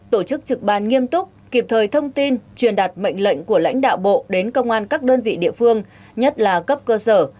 tổ chức trực ban nghiêm túc kịp thời thông tin truyền đặt mệnh lệnh của lãnh đạo bộ đến công an các đơn vị địa phương nhất là cấp cơ sở